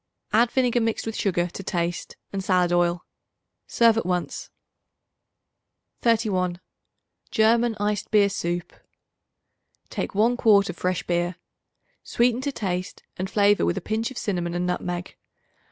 Add vinegar mixed with sugar, to taste, and salad oil. Serve at once. 31. German Iced Beer Soup. Take one quart of fresh beer. Sweeten to taste and flavor with a pinch of cinnamon and nutmeg.